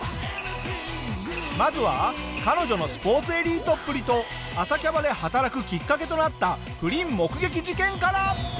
まずは彼女のスポーツエリートっぷりと朝キャバで働くきっかけとなった不倫目撃事件から！